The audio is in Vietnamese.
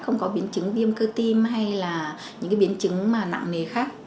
không có biến chứng viêm cơ tim hay là những biến chứng nặng nề khác